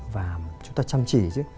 và chúng ta chăm chỉ chứ